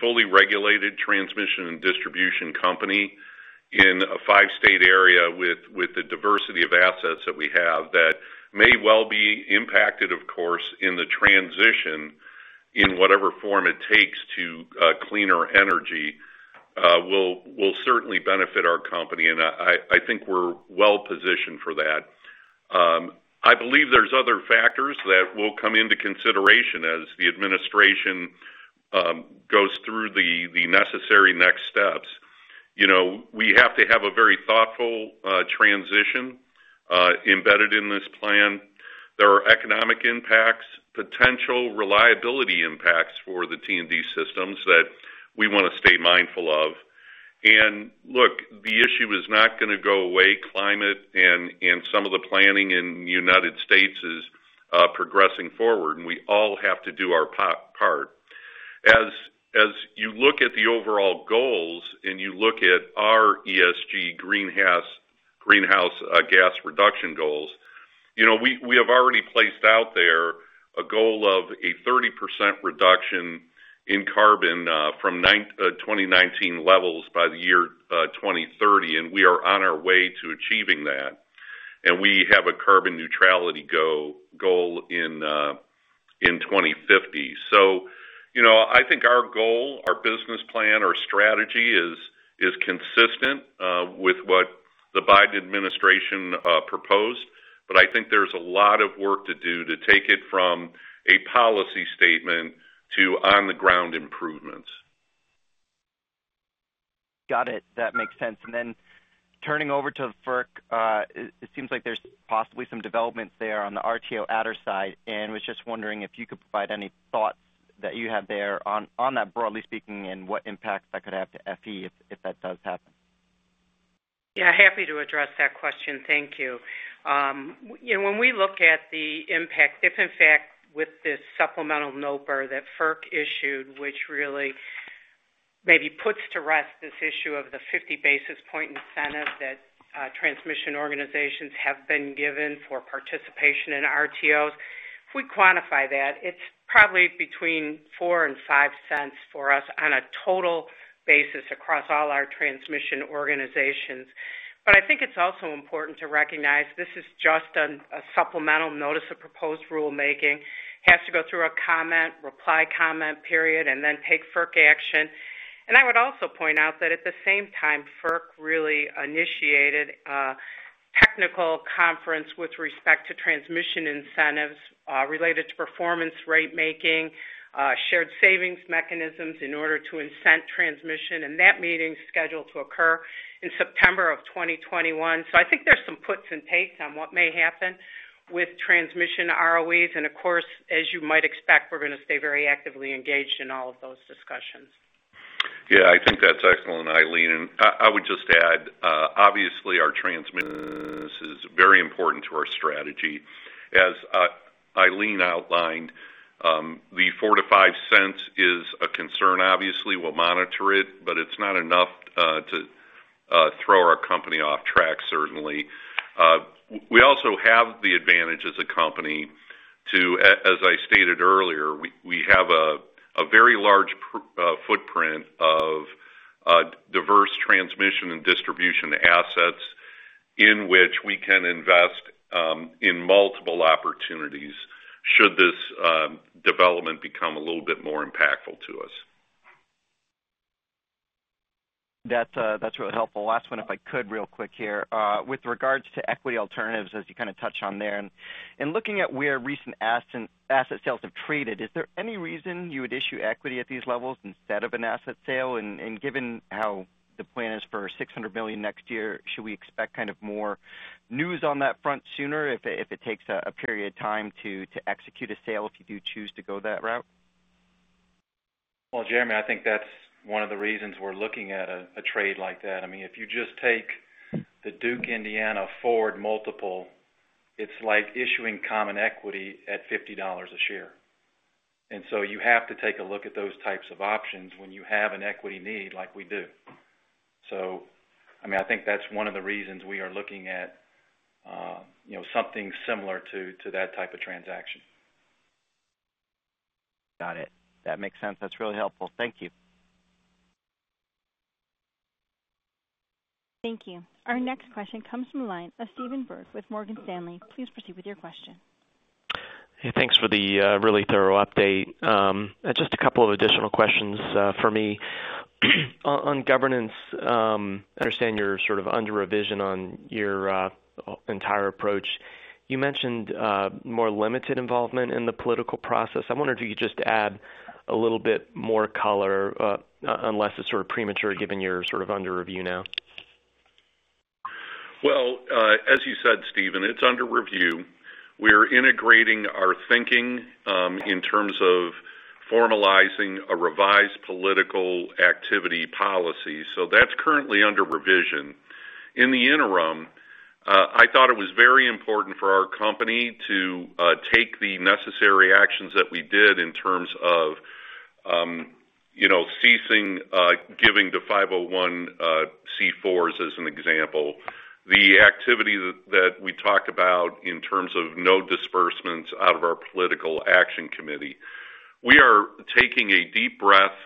fully regulated transmission and distribution company in a five-state area with the diversity of assets that we have that may well be impacted, of course, in the transition in whatever form it takes to cleaner energy, will certainly benefit our company. I think we're well-positioned for that. I believe there's other factors that will come into consideration as the administration goes through the necessary next steps. We have to have a very thoughtful transition embedded in this plan. There are economic impacts, potential reliability impacts for the T&D systems that we want to stay mindful of. Look, the issue is not going to go away. Climate and some of the planning in the United States is progressing forward. We all have to do our part. As you look at the overall goals and you look at our ESG greenhouse gas reduction goals, we have already placed out there a goal of a 30% reduction in carbon from 2019 levels by the year 2030, and we are on our way to achieving that. We have a carbon neutrality goal in 2050. I think our goal, our business plan, our strategy is consistent with what the Biden administration proposed, but I think there's a lot of work to do to take it from a policy statement to on-the-ground improvements. Got it. That makes sense. Turning over to FERC, it seems like there's possibly some developments there on the RTO adder side, and was just wondering if you could provide any thoughts that you have there on that, broadly speaking, and what impacts that could have to FE if that does happen. Yeah, happy to address that question. Thank you. When we look at the impact, if in fact with this supplemental NOPR that FERC issued, which really maybe puts to rest this issue of the 50 basis point incentive that transmission organizations have been given for participation in RTOs. If we quantify that, it's probably between $0.04 and $0.05 for us on a total basis across all our transmission organizations. I think it's also important to recognize this is just a supplemental notice of proposed rulemaking. It has to go through a comment, reply comment period, and then take FERC action. I would also point out that at the same time, FERC really initiated a technical conference with respect to transmission incentives related to performance ratemaking, shared savings mechanisms in order to incent transmission, and that meeting's scheduled to occur in September of 2021. I think there's some puts and takes on what may happen with transmission ROEs, and of course, as you might expect, we're going to stay very actively engaged in all of those discussions. Yeah, I think that's excellent, Eileen. I would just add, obviously our transmission business is very important to our strategy. As Eileen outlined, the $0.04-$0.05 is a concern, obviously. We'll monitor it, but it's not enough to throw our company off track, certainly. We also have the advantage as a company to, as I stated earlier, we have a very large footprint of diverse transmission and distribution assets in which we can invest in multiple opportunities should this development become a little bit more impactful to us. That's really helpful. Last one, if I could, real quick here. With regards to equity alternatives, as you kind of touched on there, looking at where recent asset sales have traded, is there any reason you would issue equity at these levels instead of an asset sale? Given how the plan is for $600 million next year, should we expect kind of more news on that front sooner if it takes a period of time to execute a sale, if you do choose to go that route? Well, Jeremy, I think that's one of the reasons we're looking at a trade like that. I mean, if you just take the Duke Indiana forward multiple, it's like issuing common equity at $50 a share. You have to take a look at those types of options when you have an equity need like we do. I think that's one of the reasons we are looking at something similar to that type of transaction. Got it. That makes sense. That's really helpful. Thank you. Thank you. Our next question comes from the line of Stephen Byrd with Morgan Stanley. Please proceed with your question. Hey, thanks for the really thorough update. Just a couple of additional questions for me. On governance, I understand you're sort of under revision on your entire approach. You mentioned more limited involvement in the political process. I wonder could you just add a little bit more color, unless it's sort of premature given you're sort of under review now? Well, as you said, Stephen, it's under review. We are integrating our thinking in terms of formalizing a revised political activity policy. That's currently under revision. In the interim, I thought it was very important for our company to take the necessary actions that we did in terms of ceasing giving to 501(c)(4) as an example. The activity that we talk about in terms of no disbursements out of our political action committee. We are taking a deep breath,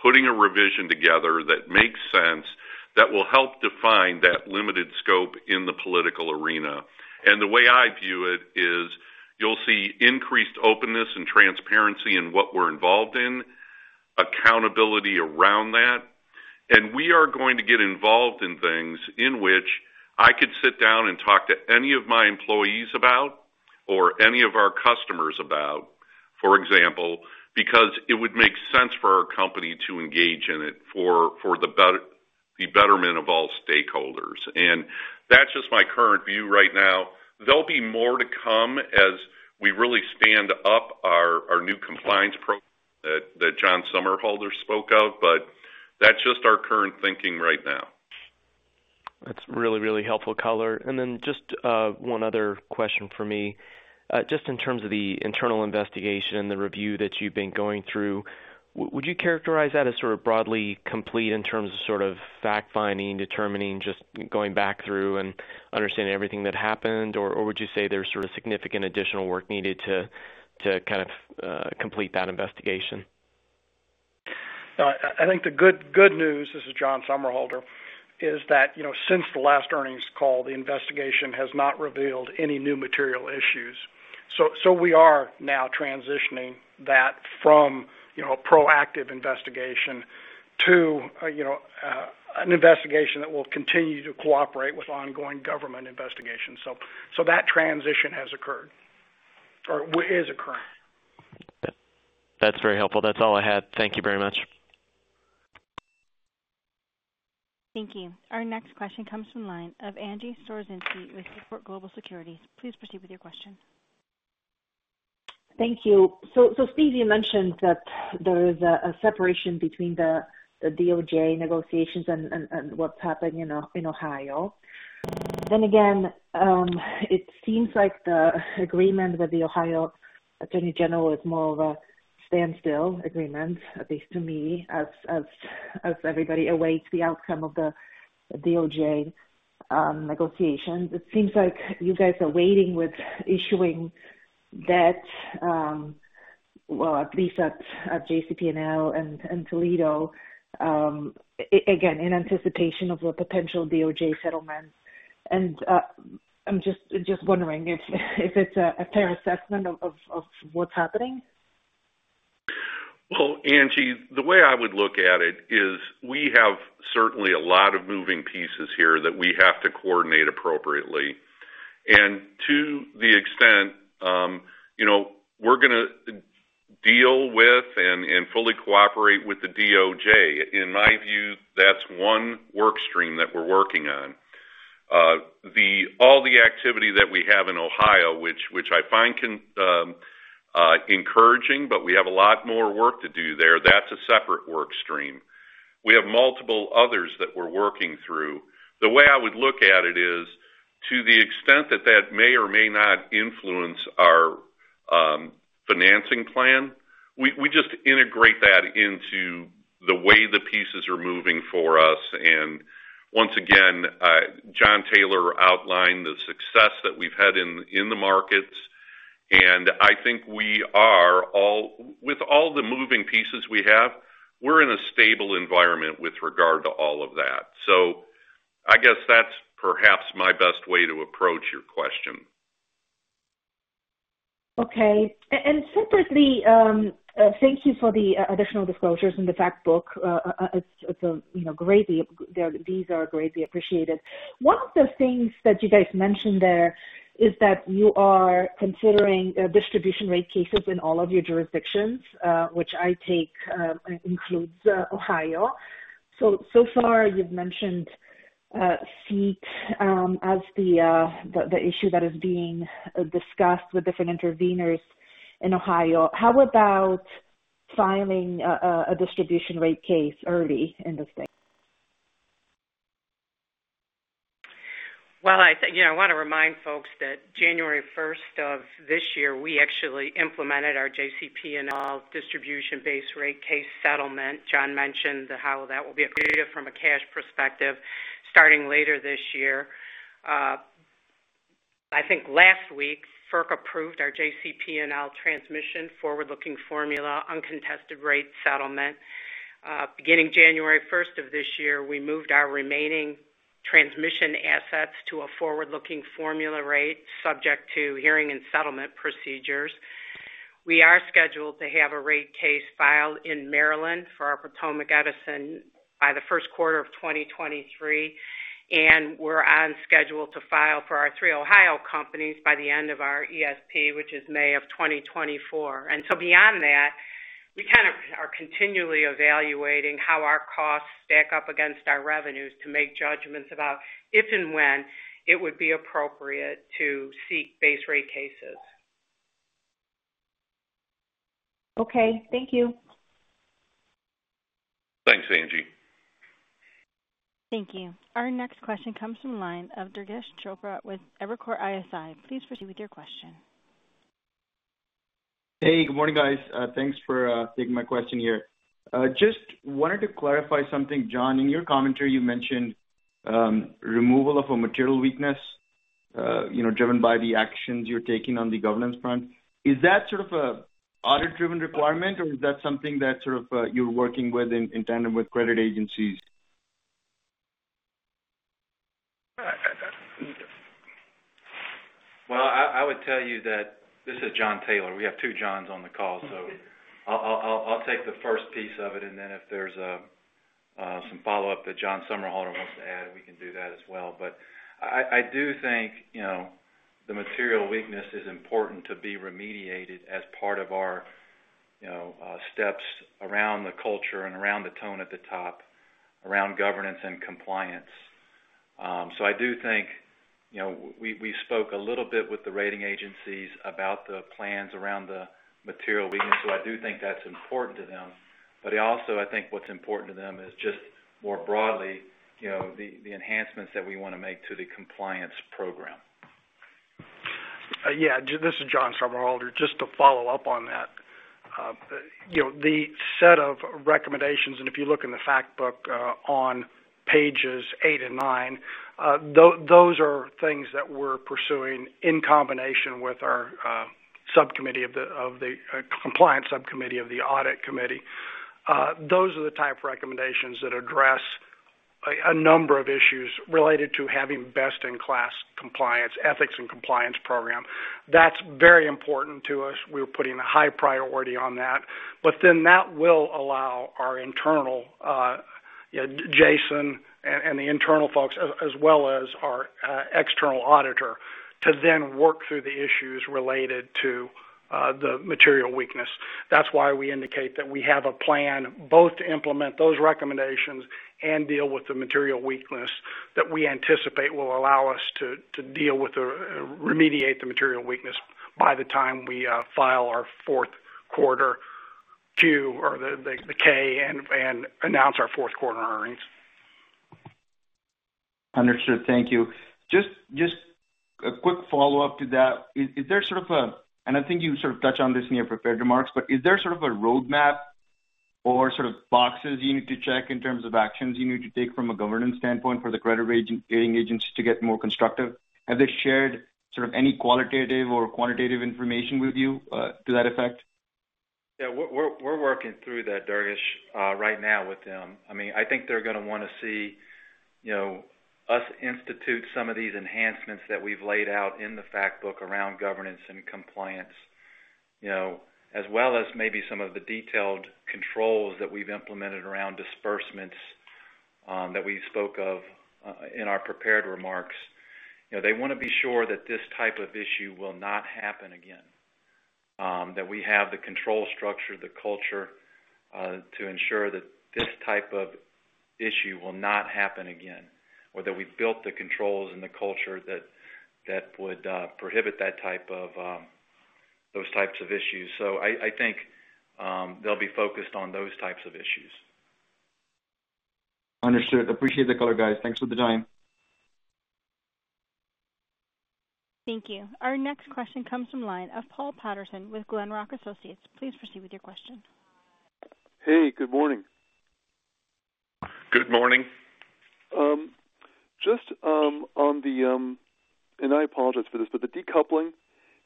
putting a revision together that makes sense, that will help define that limited scope in the political arena. The way I view it is you'll see increased openness and transparency in what we're involved in, accountability around that. We are going to get involved in things in which I could sit down and talk to any of my employees about, or any of our customers about, for example, because it would make sense for our company to engage in it for the betterment of all stakeholders. That's just my current view right now. There'll be more to come as we really stand up our new compliance program that John Somerhalder spoke of, but that's just our current thinking right now. That's really helpful color. Just one other question from me. Just in terms of the internal investigation, the review that you've been going through, would you characterize that as sort of broadly complete in terms of fact-finding, determining, just going back through and understanding everything that happened? Or would you say there's sort of significant additional work needed to kind of complete that investigation? I think the good news, this is John Somerhalder, is that since the last earnings call, the investigation has not revealed any new material issues. We are now transitioning that from a proactive investigation to an investigation that will continue to cooperate with ongoing government investigations. That transition has occurred, or is occurring. That's very helpful. That's all I had. Thank you very much. Thank you. Our next question comes from the line of Angie Storozynski with Seaport Global Securities. Please proceed with your question. Thank you. Steve, you mentioned that there is a separation between the DOJ negotiations and what's happened in Ohio. Again, it seems like the agreement with the Ohio Attorney General is more of a standstill agreement, at least to me, as everybody awaits the outcome of the DOJ negotiations. It seems like you guys are waiting with issuing that, well, at least at JCP&L and Toledo, again, in anticipation of a potential DOJ settlement. I'm just wondering if it's a fair assessment of what's happening. Well, Angie, the way I would look at it is we have certainly a lot of moving pieces here that we have to coordinate appropriately. To the extent we're going to deal with and fully cooperate with the DOJ. In my view, that's one work stream that we're working on. All the activity that we have in Ohio, which I find encouraging, but we have a lot more work to do there. That's a separate work stream. We have multiple others that we're working through. The way I would look at it is to the extent that that may or may not influence our financing plan, we just integrate that into the way the pieces are moving for us. Once again, Jon Taylor outlined the success that we've had in the markets. I think with all the moving pieces we have, we're in a stable environment with regard to all of that. I guess that's perhaps my best way to approach your question. Okay. Separately, thank you for the additional disclosures in the fact book. These are greatly appreciated. One of the things that you guys mentioned there is that you are considering distribution rate cases in all of your jurisdictions, which I take includes Ohio. So far you've mentioned SEET as the issue that is being discussed with different interveners in Ohio. How about filing a distribution rate case early in the state? Well, I want to remind folks that January 1st of this year, we actually implemented our JCP&L distribution-based rate case settlement. Jon mentioned how that will be accretive from a cash perspective starting later this year. I think last week, FERC approved our JCP&L transmission forward-looking formula uncontested rate settlement. Beginning January 1st of this year, we moved our remaining transmission assets to a forward-looking formula rate subject to hearing and settlement procedures. We are scheduled to have a rate case filed in Maryland for our Potomac Edison by the first quarter of 2023, and we're on schedule to file for our three Ohio companies by the end of our ESP, which is May of 2024. Beyond that, we kind of are continually evaluating how our costs stack up against our revenues to make judgments about if and when it would be appropriate to seek base rate cases. Okay. Thank you. Thanks, Angie. Thank you. Our next question comes from the line of Durgesh Chopra with Evercore ISI. Please proceed with your question. Hey, good morning, guys. Thanks for taking my question here. Just wanted to clarify something. John, in your commentary, you mentioned removal of a material weakness, driven by the actions you're taking on the governance front. Is that sort of an audit-driven requirement, or is that something that you're working with in tandem with credit agencies? I would tell you that, this is Jon Taylor. We have two Johns on the call. I'll take the first piece of it, and then if there's some follow-up that John Somerhalder wants to add, we can do that as well. I do think the material weakness is important to be remediated as part of our steps around the culture and around the tone at the top, around governance and compliance. I do think we spoke a little bit with the rating agencies about the plans around the material weakness, so I do think that's important to them. Also, I think what's important to them is just more broadly, the enhancements that we want to make to the compliance program. Yeah. This is John Somerhalder. Just to follow up on that. If you look in the fact book on pages eight and nine, those are things that we're pursuing in combination with our Compliance Subcommittee of the Audit Committee. Those are the type of recommendations that address a number of issues related to having best-in-class ethics and compliance program. That's very important to us. We're putting a high priority on that. That will allow our internal, Jason, and the internal folks, as well as our external auditor, to then work through the issues related to the material weakness. That is why we indicate that we have a plan both to implement those recommendations and deal with the material weakness that we anticipate will allow us to remediate the material weakness by the time we file our fourth quarter Q or the K and announce our fourth quarter earnings. Understood. Thank you. Just a quick follow-up to that. I think you sort of touched on this in your prepared remarks, but is there sort of a roadmap or sort of boxes you need to check in terms of actions you need to take from a governance standpoint for the credit rating agents to get more constructive? Have they shared sort of any qualitative or quantitative information with you to that effect? Yeah, we're working through that, Durgesh, right now with them. I think they're going to want to see us institute some of these enhancements that we've laid out in the fact book around governance and compliance, as well as maybe some of the detailed controls that we've implemented around disbursements that we spoke of in our prepared remarks. They want to be sure that this type of issue will not happen again. That we have the control structure, the culture to ensure that this type of issue will not happen again, or that we've built the controls and the culture that would prohibit those types of issues. I think they'll be focused on those types of issues. Understood. Appreciate the color, guys. Thanks for the time. Thank you. Our next question comes from line of Paul Patterson with Glenrock Associates. Please proceed with your question. Hey, good morning. Good morning. Just on the, and I apologize for this, the decoupling,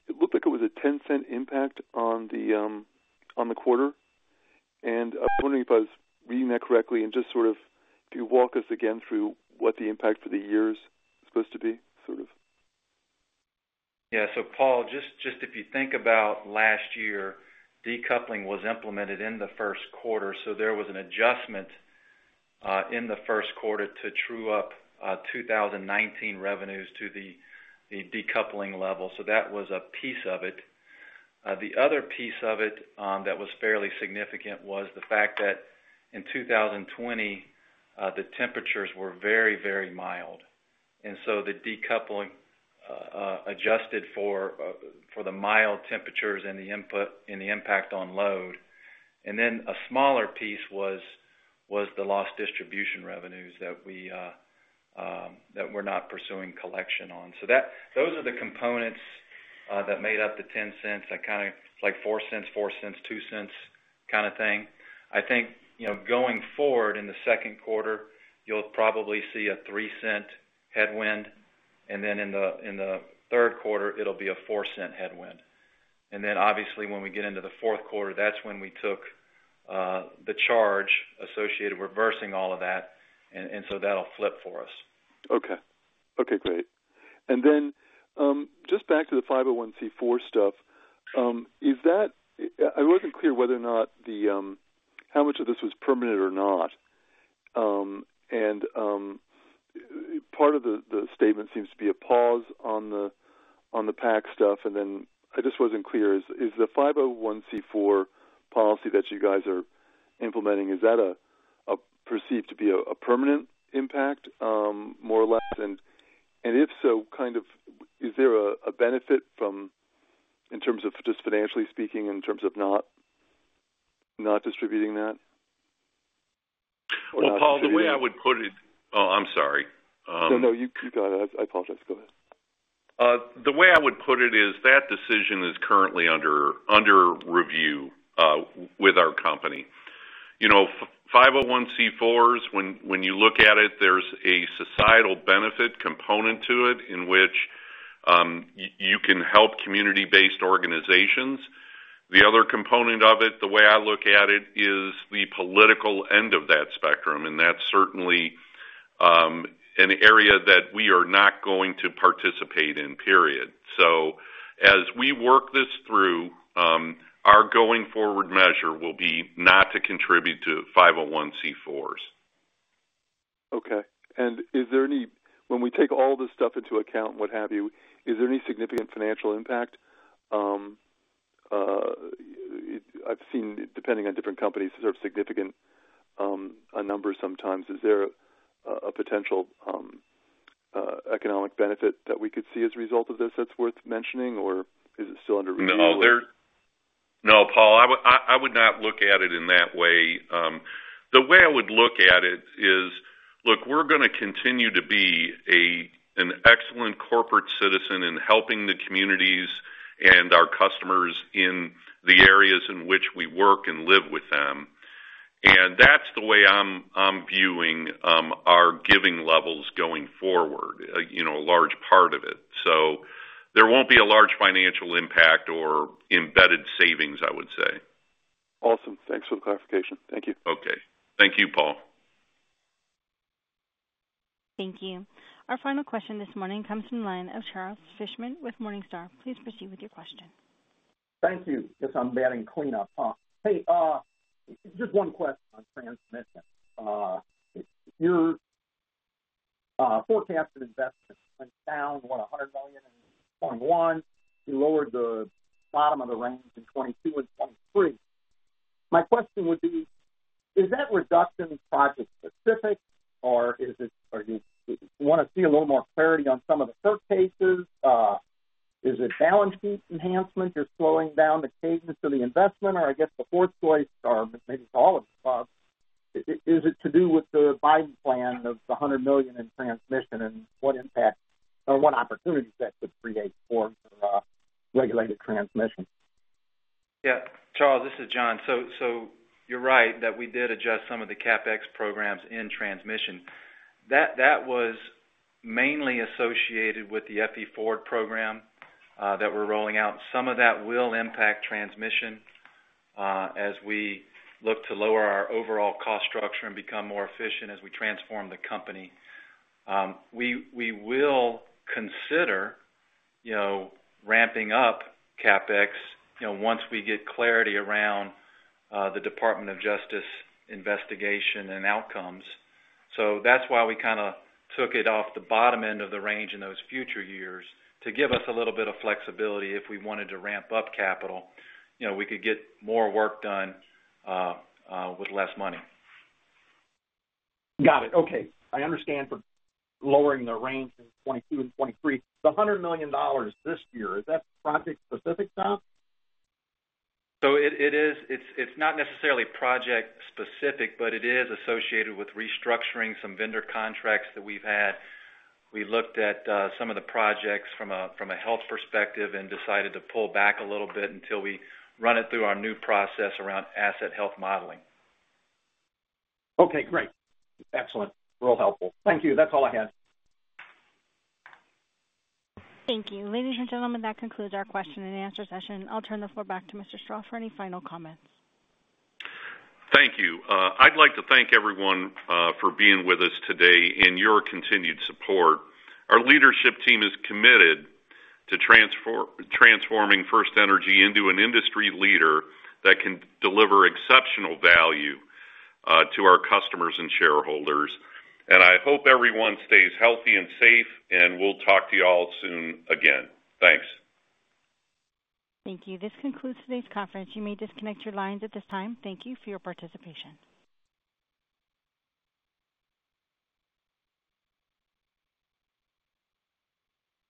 it looked like it was a $0.10 impact on the quarter. I was wondering if I was reading that correctly and just sort of if you walk us again through what the impact for the year is supposed to be. Yeah. Paul, just if you think about last year, decoupling was implemented in the first quarter. There was an adjustment in the first quarter to true up 2019 revenues to the decoupling level. The other piece of it that was fairly significant was the fact that in 2020 the temperatures were very mild. The decoupling adjusted for the mild temperatures and the impact on load. A smaller piece was the lost distribution revenues that we're not pursuing collection on. Those are the components that made up the $0.10. That kind of like $0.04, $0.04, $0.02 kind of thing. I think, going forward in the second quarter, you'll probably see a $0.03 headwind, and then in the third quarter, it'll be a $0.04 headwind. Obviously when we get into the fourth quarter, that's when we took the charge associated with reversing all of that. That'll flip for us. Okay. Okay, great. Just back to the 501(c)(4) stuff. I wasn't clear how much of this was permanent or not. Part of the statement seems to be a pause on the PAC stuff. I just wasn't clear, is the 501(c)(4) policy that you guys are implementing, is that perceived to be a permanent impact more or less? If so, is there a benefit in terms of just financially speaking, in terms of not distributing that? Well, Paul. Oh, I'm sorry. No, you go ahead. I apologize. Go ahead. The way I would put it is that decision is currently under review with our company. 501(c)(4)s, when you look at it, there's a societal benefit component to it in which you can help community-based organizations. The other component of it, the way I look at it, is the political end of that spectrum, and that's certainly an area that we are not going to participate in, period. As we work this through, our going forward measure will be not to contribute to 501(c)(4)s. Okay. When we take all this stuff into account and what have you, is there any significant financial impact? I've seen, depending on different companies, there's significant numbers sometimes. Is there a potential economic benefit that we could see as a result of this that's worth mentioning, or is it still under review? No, Paul, I would not look at it in that way. The way I would look at it is, look, we're going to continue to be an excellent corporate citizen in helping the communities and our customers in the areas in which we work and live with them. That's the way I'm viewing our giving levels going forward, a large part of it. There won't be a large financial impact or embedded savings, I would say. Awesome. Thanks for the clarification. Thank you. Okay. Thank you, Paul. Thank you. Our final question this morning comes from the line of Charles Fishman with Morningstar. Please proceed with your question. Thank you. Guess I'm batting cleanup, huh? Hey, just one question on transmission. Your forecasted investment went down, $100 million in 2021. You lowered the bottom of the range in 2022 and 2023. My question would be, is that reduction project specific, or do you want to see a little more clarity on some of the SEET cases? Is it balance sheet enhancement you're slowing down the cadence of the investment? I guess the fourth choice, or maybe it's all of the above, is it to do with the Biden plan of the $100 million in transmission and what opportunities that could create for regulated transmission? Yeah. Charles, this is Jon. You're right that we did adjust some of the CapEx programs in transmission. That was mainly associated with the FE Forward program that we're rolling out. Some of that will impact transmission as we look to lower our overall cost structure and become more efficient as we transform the company. We will consider ramping up CapEx once we get clarity around the Department of Justice investigation and outcomes. That's why we kind of took it off the bottom end of the range in those future years to give us a little bit of flexibility if we wanted to ramp up capital. We could get more work done with less money. Got it. Okay. I understand for lowering the range in 2022 and 2023. The $100 million this year, is that project specific? [inaudible] It's not necessarily project specific, but it is associated with restructuring some vendor contracts that we've had. We looked at some of the projects from a health perspective and decided to pull back a little bit until we run it through our new process around asset health modeling. Okay, great. Excellent. Real helpful. Thank you. That's all I had. Thank you. Ladies and gentlemen, that concludes our question and answer session. I'll turn the floor back to Mr. Strah for any final comments. Thank you. I'd like to thank everyone for being with us today and your continued support. Our leadership team is committed to transforming FirstEnergy into an industry leader that can deliver exceptional value to our customers and shareholders. I hope everyone stays healthy and safe, and we'll talk to you all soon again. Thanks. Thank you. This concludes today's conference. You may disconnect your lines at this time. Thank you for your participation.